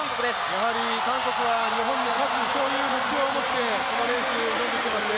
やはり韓国は日本に勝つ、そういう目標を持ってこのレース、挑んできていますね。